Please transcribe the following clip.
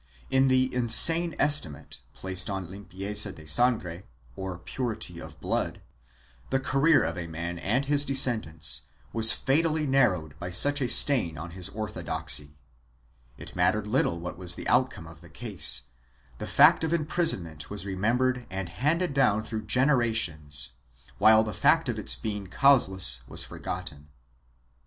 In the insane estimate placed on limpieza de sangre, or purity of blood, the career of a man and of his descendants was fatally narrowed by such a stain on his orthodoxy; it mattered little what was the outcome of the case, the fact of imprisonment was remembered and handed down through generations while the fact of its being causeless was forgotten.